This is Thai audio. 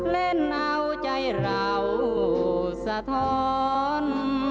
เล่นเอาใจเราสะท้อน